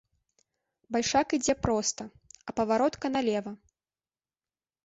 Бальшак ідзе проста, а паваротка налева.